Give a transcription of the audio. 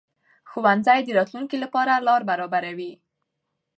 ښوونځی د راتلونکي لپاره لار برابروي